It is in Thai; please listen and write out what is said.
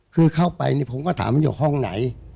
คือเข้าไปเนี่ยผมก็ถามมันอยู่ห้องไหน